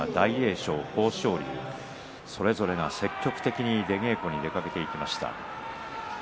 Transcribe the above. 翔、豊昇龍それぞれが積極的に出稽古に出かけて行きました。